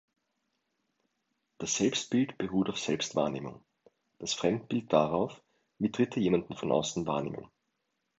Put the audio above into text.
Das Selbstbild beruht auf Selbstwahrnehmung; das Fremdbild darauf, wie Dritte jemanden von außen wahrnehmen.